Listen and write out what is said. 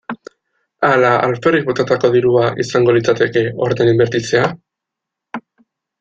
Ala alferrik botatako dirua izango litzateke horretan inbertitzea?